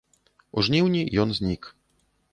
У жніўні ён знік.